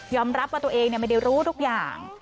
รับว่าตัวเองไม่ได้รู้ทุกอย่าง